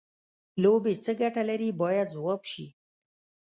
لوبې څه ګټه لري باید ځواب شي.